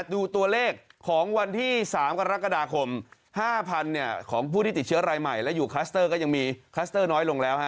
ดูตัวเลขของวันที่๓กรกฎาคม๕๐๐ของผู้ที่ติดเชื้อรายใหม่และอยู่คลัสเตอร์ก็ยังมีคลัสเตอร์น้อยลงแล้ว